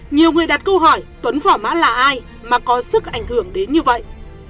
nhiều người đặt câu hỏi tuấn vỏ mã là ai mà có sức ảnh hưởng đến như vậy